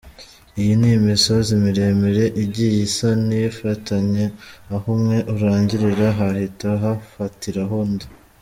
iyi ni imisozi miremire igiye isa n'ifatanye, aho umwe urangirira hahita hafatiraho undi.